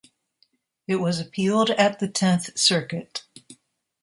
It was appealed at the Tenth Circuit.